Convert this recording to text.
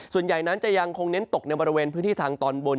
ส่วนใหญ่นั้นจะยังคงเน้นตกในบริเวณพื้นที่ทางตอนบน